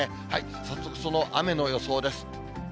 早速、その雨の予想です。